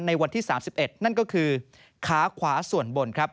วันที่๓๑นั่นก็คือขาขวาส่วนบนครับ